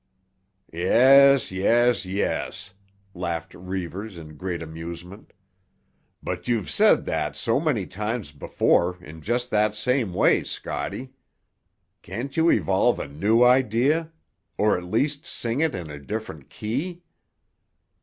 "Yes, yes, yes!" laughed Reivers in great amusement. "But you've said that so many times before in just that same way, Scotty. Can't you evolve a new idea? Or at least sing it in a different key?"